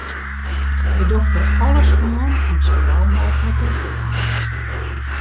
Hy docht der alles oan om sa gau mooglik wer fit te wêzen.